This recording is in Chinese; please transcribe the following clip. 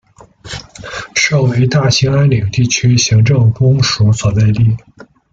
设为大兴安岭地区行政公署所在地。